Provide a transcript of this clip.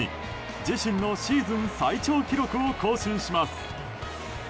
自身のシーズン最長記録を更新します。